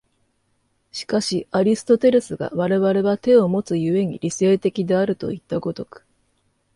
しかしアリストテレスが我々は手をもつ故に理性的であるといった如く